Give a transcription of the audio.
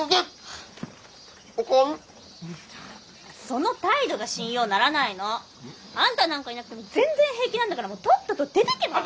その態度が信用ならないの！あんたなんかいなくても全然平気なんだからもうとっとと出てけば？